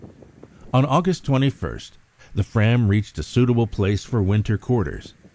On August 21 the Fram reached a suitable place for winter quarters.